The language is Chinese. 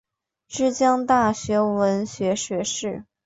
之江大学文学学士。